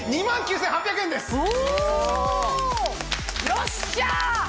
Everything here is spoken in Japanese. よっしゃ！